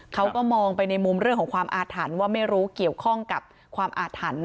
เขาก็มองไปในมุมเรื่องของความอาถรรพ์ว่าไม่รู้เกี่ยวข้องกับความอาถรรพ์